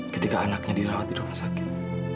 ketika anaknya dirawat di rumah sakit